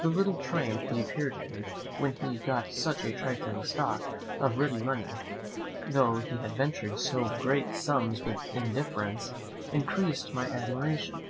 The little triumph he appeared in, when he got such a trifling stock of ready money, though he had ventured so great sums with indifference, increased my admiration.